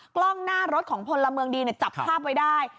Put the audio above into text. กล้องหน้ารถของพลเมืองดีจับภาพไว้ได้